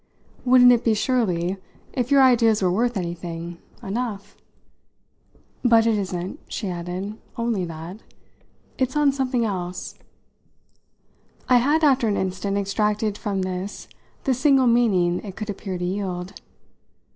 "Wouldn't it be surely, if your ideas were worth anything, enough? But it isn't," she added, "only on that. It's on something else." I had after an instant extracted from this the single meaning it could appear to yield.